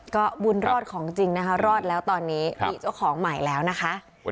ก็บุญรอดของจริงนะคะรอดแล้วตอนนี้มีเจ้าของใหม่แล้วนะคะ